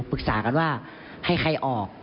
ปรึกษากันว่าให้ใครออก